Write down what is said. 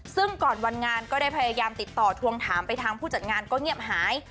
ซึ่งก่อนวันงานก็ได้พยายามติดต่อทวงถามไปทางผู้จัดงานก็เงียบหาย